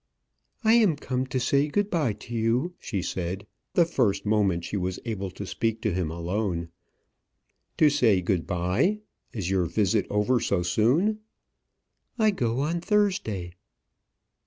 "I am come to say good bye to you," she said, the first moment she was able to speak to him alone. "To say good bye! Is your visit over so soon?" "I go on Thursday."